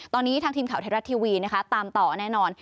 ตอนนี้ทางทีมข่าวไทยรัฐทีวีนะคะตามต่อแน่นอน